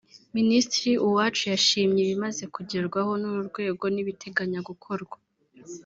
Minisitiri Uwacu yashimye ibimaze kugerwaho n’uru rwego n’ibiteganya gukorwa